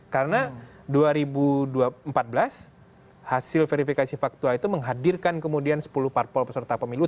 karena dua ribu empat belas hasil verifikasi faktual itu menghadirkan kemudian sepuluh partai peserta pemilu